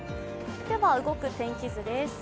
動く天気図です。